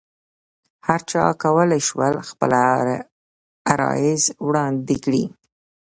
هرچا کولای شول خپل عرایض وړاندې کړي.